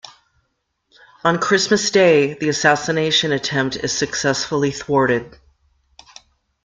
On Christmas Day the assassination attempt is successfully thwarted.